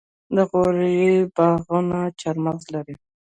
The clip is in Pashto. د غور باغونه چهارمغز لري.